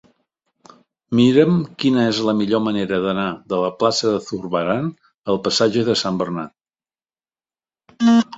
Mira'm quina és la millor manera d'anar de la plaça de Zurbarán al passatge de Sant Bernat.